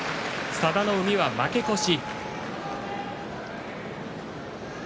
佐田の海は負け越し。